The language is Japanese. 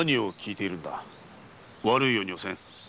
悪いようにはせん。